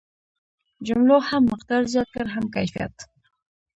جملو هم مقدار زیات کړ هم کیفیت.